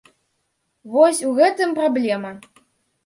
Вось у гэтым праблема.